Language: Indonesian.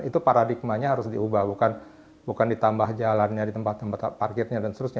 itu paradigmanya harus diubah bukan ditambah jalannya di tempat tempat parkirnya dan seterusnya